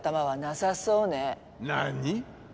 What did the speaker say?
何？